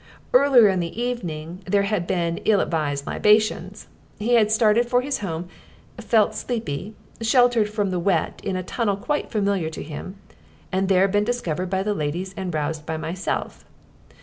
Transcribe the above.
Earlier in the evening there had been ill advised libations; he had started for his home, felt sleepy, sheltered from the wet in a tunnel quite familiar to him, and there been discovered by the ladies and roused by myself.